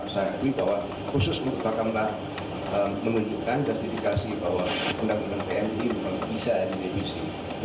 saya kagui bahwa khusus untuk bang kemla menunjukkan justifikasi bahwa undang undang tni bisa di revisi